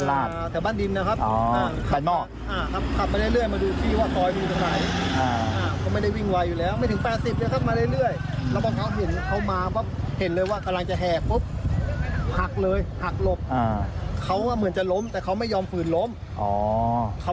ภาพน่ากลัวแล้วก็รุนแรงมากเลยนะ